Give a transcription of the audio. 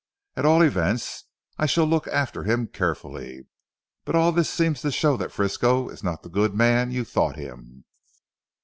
"At all events I shall look after him carefully. But all this seems to show that Frisco is not the good man you thought him."